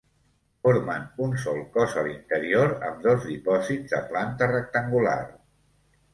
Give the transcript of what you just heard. Formen un sol cos a l'interior amb dos dipòsits de planta rectangular.